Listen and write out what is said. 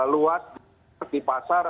luas di pasar